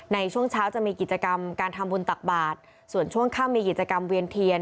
ในช่วงเช้าจะมีกิจกรรมการทำบุญตักบาทส่วนช่วงค่ำมีกิจกรรมเวียนเทียน